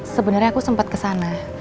sebenernya aku sempat kesana